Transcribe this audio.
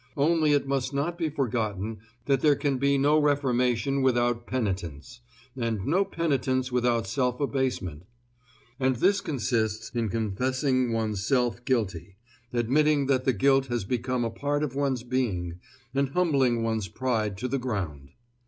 Only it must not be forgotten that there can be no reformation without penitence, and no penitence without self abasement. And this consists in confessing one's self guilty, admitting that the guilt has become a part of one's being, and humbling one's pride to the ground.